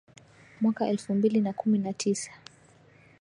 mwaka elfu mbili na kumi na tisa